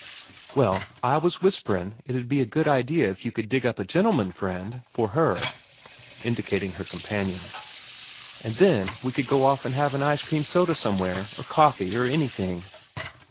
"Well, I was whisperin' it'd be a good idea if you could dig up a gentleman friend—for her" (indicating her companion), "and then, we could go off an' have ice cream soda somewhere, or coffee, or anything."